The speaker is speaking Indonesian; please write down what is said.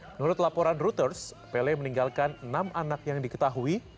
menurut laporan reuters pele meninggalkan enam anak yang diketahui